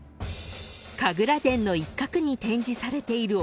［神楽殿の一角に展示されているおもちゃ］